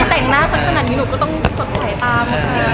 แต่งหน้าสักขนาดนี้หนูก็ต้องสดใสตาม